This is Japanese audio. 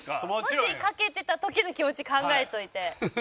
もし賭けてた時の気持ち考えといて。